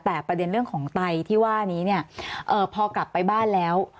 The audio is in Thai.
แต่ประเด็นเรื่องของไตที่ว่านี้เนี่ยพอกลับไปบ้านแล้ว